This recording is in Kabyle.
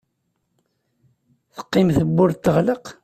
Teqqim tewwurt teɣleq.